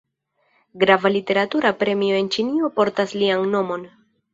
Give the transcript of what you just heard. Grava literatura premio en Ĉinio portas lian nomon.